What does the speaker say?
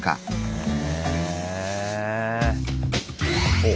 ほう。